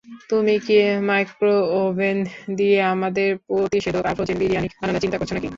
তুমি কি মাইক্রোওয়েভ দিয়ে আমাদের প্রতিষেধক আর ফ্রোজেন বিরিয়ানি বানানোর চিন্তা করছ নাকি?